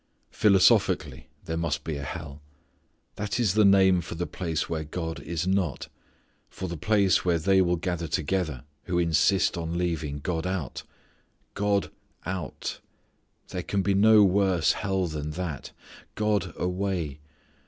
Philosophically there must be a hell. That is the name for the place where God is not; for the place where they will gather together who insist on leaving God out. God out! There can be no worse hell than that! God away!